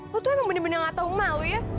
lo tuh emang bener bener gak tahu malu ya